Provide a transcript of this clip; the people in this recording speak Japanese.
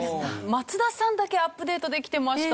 松田さんだけアップデートできてました。